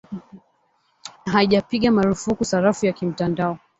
na haijapiga marufuku sarafu ya kimtandao